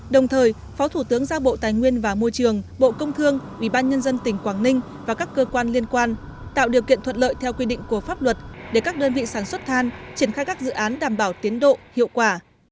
đồng thời phó thủ tướng giao bộ tài nguyên và môi trường bộ công thương ubnd tỉnh quảng ninh và các cơ quan liên quan tạo điều kiện thuận lợi theo quy định của pháp luật để các đơn vị sản xuất than triển khai các dự án đảm bảo tiến độ hiệu quả